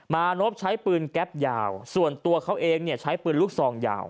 มานพใช้ปืนแก๊ปยาวส่วนตัวเขาเองเนี่ยใช้ปืนลูกซองยาว